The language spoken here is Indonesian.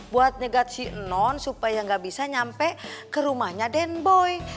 buat nyegat si enon supaya gak bisa nyampe ke rumahnya den boy